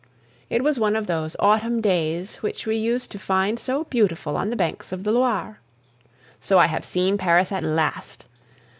It was one of those autumn days which we used to find so beautiful on the banks of the Loire. So I have seen Paris at last!